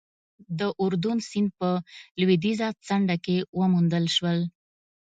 د اردون سیند په لوېدیځه څنډه کې وموندل شول.